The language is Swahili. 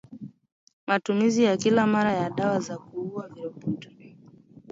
Matumizi ya kila mara ya dawa za kuua viroboto